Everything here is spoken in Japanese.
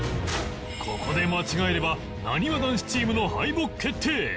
ここで間違えればなにわ男子チームの敗北決定